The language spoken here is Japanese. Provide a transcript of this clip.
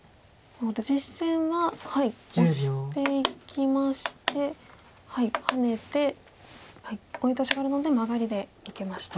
実戦はオシていきましてハネてオイオトシがあるのでマガリで受けました。